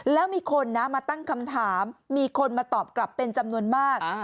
แล้วมีคนนะมาตั้งคำถามมีคนมาตอบกลับเป็นจำนวนมาก